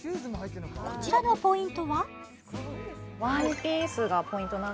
こちらのポイントは？